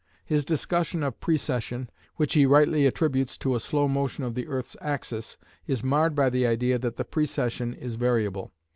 His discussion of precession, which he rightly attributes to a slow motion of the earth's axis, is marred by the idea that the precession is variable.